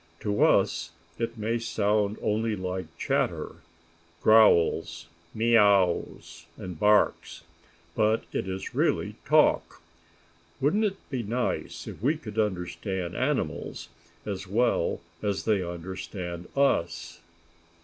To us it may sound only like chatter, growls, meows and barks, but it is really talk. Wouldn't it be nice if we could understand animals as well as they understand us?